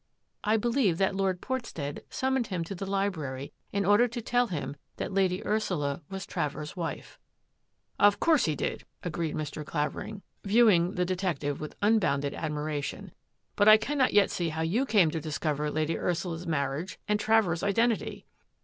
I believe that Lord Portstead summoned him to the library in order to tell him that Lady Ursula was Travers' wife." " Of course he did," agreed Mr. Clavering, view 238 THAT AFFAIR AT THE MANOR ing the detective with unbounded admiration, " but I cannot yet see how you came to discover Lady Ursula's marriage and Travers' identity."